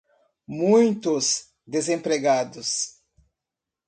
muitos desempregados